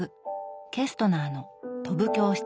ケストナーの「飛ぶ教室」。